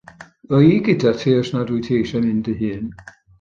Ddo i gyda ti os nad wyt ti eisiau mynd dy hun.